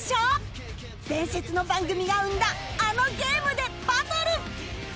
伝説の番組が生んだあのゲームでバトル！